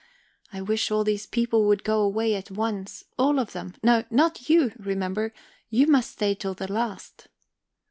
I wish all these people would go away at once, all of them. No, not you remember, you must stay till the last."